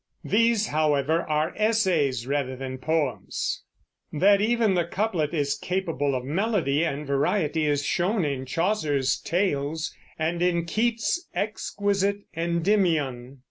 These, however, are essays rather than poems. That even the couplet is capable of melody and variety is shown in Chaucer's Tales and in Keats's exquisite Endymion.